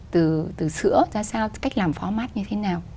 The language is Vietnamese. từ sữa ra sao cách làm phó mát như thế nào